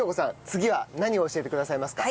次は何を教えてくださいますか？